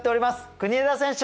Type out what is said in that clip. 国枝選手！